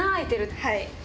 はい。